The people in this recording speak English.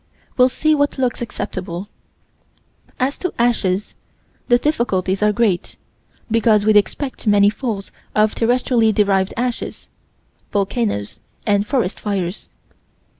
We'll see what looks acceptable. As to ashes, the difficulties are great, because we'd expect many falls of terrestrially derived ashes volcanoes and forest fires.